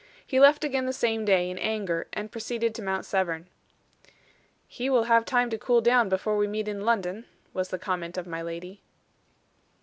He left again the same day, in anger, and proceeded to Mount Severn. "He will have time to cool down, before we meet in London," was the comment of my lady.